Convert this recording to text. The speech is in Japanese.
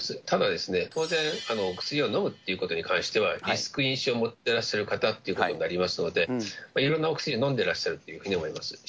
ただですね、当然、薬を飲むということに関しては、リスク因子を持ってらっしゃる方ということになりますので、いろんなお薬を飲んでらっしゃるということになると思います。